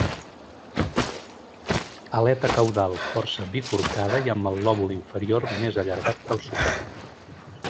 Aleta caudal força bifurcada i amb el lòbul inferior més allargat que el superior.